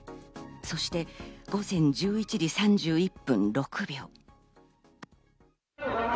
そして、午前１１時３１分６秒。